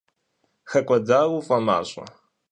ХэкӀуэдар уфӀэмащӀэ?